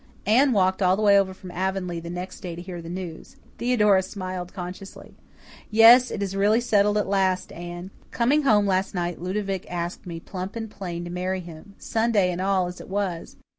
Anne walked all the way over from Avonlea the next day to hear the news. Theodora smiled consciously. "Yes, it is really settled at last, Anne. Coming home last night Ludovic asked me plump and plain to marry him, Sunday and all as it was.